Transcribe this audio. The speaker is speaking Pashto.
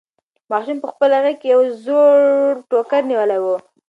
ماشوم په خپله غېږ کې یو زوړ ټوکر نیولی و.